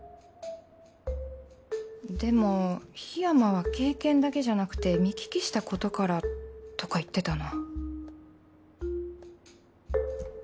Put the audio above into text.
でも檜山は経験だけじゃなくて見聞きしたことからとか言ってたな